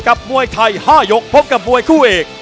มวยไทย๕ยกพบกับมวยคู่เอก